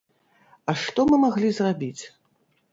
А што мы маглі зрабіць?